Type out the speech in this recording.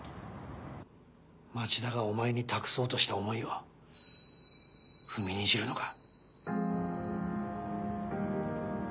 町田がお前に託そうとした思いを踏みにじるのか？